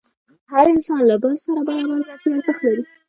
هر انسان له بل سره برابر ذاتي ارزښت لري.